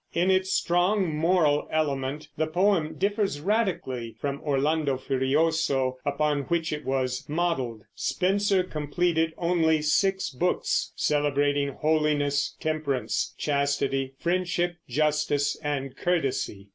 In its strong moral element the poem differs radically from Orlando Furioso, upon which it was modeled. Spenser completed only six books, celebrating Holiness, Temperance, Chastity, Friendship, Justice, and Courtesy.